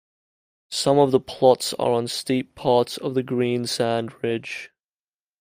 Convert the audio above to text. Some of the plots are on steep parts of the greensand ridge.